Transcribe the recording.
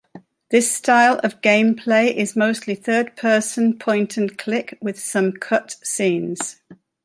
This style of game play is mostly third-person point-and-click, with some cut scenes.